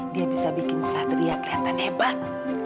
dia bisa bikin satria kelihatan hebat